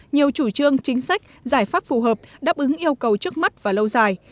nhiều chủ trương chính sách giải pháp phù hợp đáp ứng yêu cầu trước mắt và lâu dài